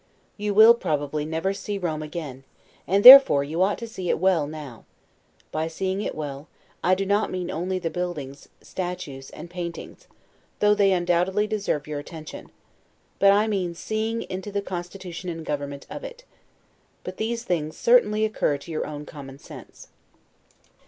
You will, probably, never see Rome again; and therefore you ought to see it well now; by seeing it well, I do not mean only the buildings, statues, and paintings, though they undoubtedly deserve your attention: but I mean seeing into the constitution and government of it. But these things certainly occur to your own common sense.